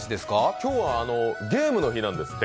今日はゲームの日なんですって。